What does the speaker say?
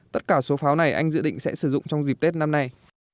tất cả số pháo này anh dự định sẽ sử dụng trong dịp tết năm nay